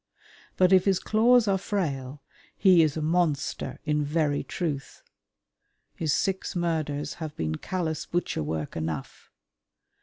But if his claws are frail, he is a monster in very truth. His six murders have been callous butcher work enough.